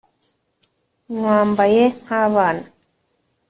Nywambaye nk'abana